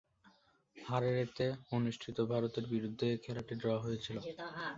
হারারেতে অনুষ্ঠিত ভারতের বিরুদ্ধে এ খেলাটি ড্র হয়েছিল।